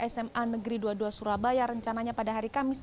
sma negeri dua puluh dua surabaya rencananya pada hari kamis